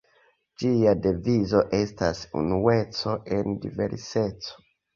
Ĝia devizo estas 'unueco en diverseco.